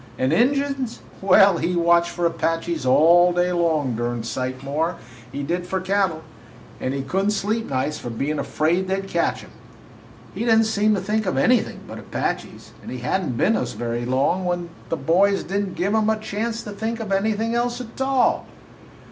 "And Injuns! Well, he watched for Apaches all day long a durn sight more 'n he did for cattle, and he could n't sleep nights for bein' afraid they 'd catch him. He did n't seem to think of anything but Apaches, and he had n't been with us very long till the boys did n't give him a chanst to think of anything else a tall.